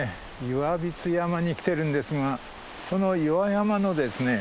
岩櫃山に来てるんですがその岩山のですね